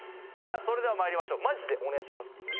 それではまいりましょうマジでお願いします